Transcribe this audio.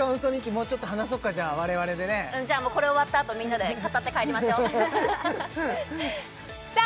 もうちょっと話そうかじゃあ我々でねうんじゃあこれ終わったあとみんなで語って帰りましょうさあ